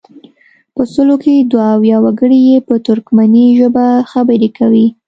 په سلو کې دوه اویا وګړي یې په ترکمني ژبه خبرې کوي.